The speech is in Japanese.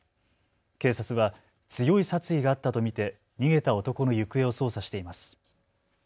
警察は強い殺意があったと見て逃げた男の行方を捜査しています。